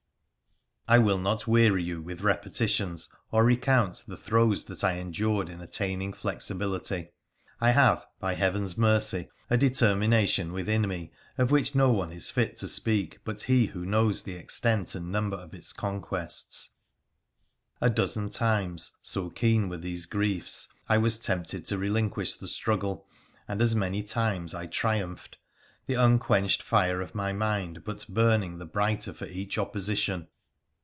I will not weary you with repetitions or recount the throes that I endured in attaining flexibility. I have, by Heaven's mercy, a determination Avithin me of which no one is fit to speak but he who knows the extent and number of its conquests. A dozen times, so keen were these griefs, I was tempted to relinquish the struggle, and as many times I triumphed, the unquenched fire of my mind but burning the brighter for each opposition.